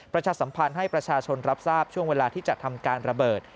ประชาสัมพันธ์ให้ประชาชนรับทราบช่วงเวลาที่จะทำการระเบิด